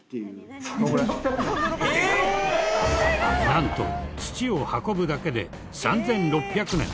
なんと土を運ぶだけで３６００年。